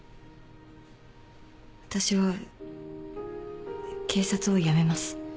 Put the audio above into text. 私は警察を辞めます。